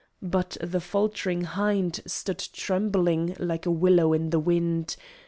But the faltering hind Stood trembling, like a willow in the wind.